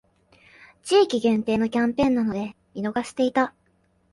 地域限定のキャンペーンなので見逃していた